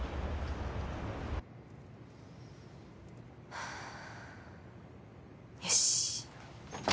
はぁよし。